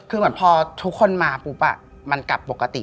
คือเหมือนพอทุกคนมาปุ๊บมันกลับปกติ